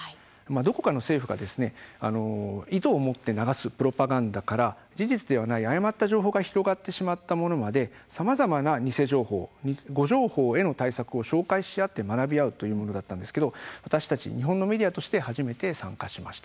どこかの政府が意図を持って流すプロパガンダから事実ではない誤った情報が広がってしまったものまでさまざまな偽情報、誤情報への対策を紹介し合って学び合うというものだったんですけれども私たち日本のメディアとして初めて参加しました。